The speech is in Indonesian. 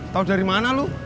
tahu dari mana lu